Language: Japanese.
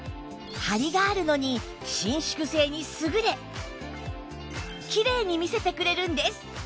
ハリがあるのに伸縮性に優れキレイに見せてくれるんです！